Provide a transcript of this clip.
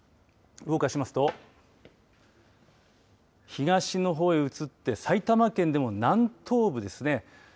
動かしますと東のほうへ移って埼玉県の南東部ですね。